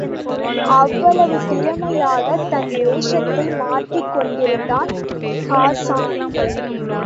அவ்வளவு திறமையாகத் தன் வேஷத்தை மாற்றிக் கொண்டிருந்தான் ஹாஸான்.